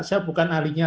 saya bukan ahlinya